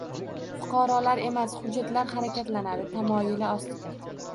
“Fuqarolar emas, hujjatlar harakatlanadi” tamoyili asosida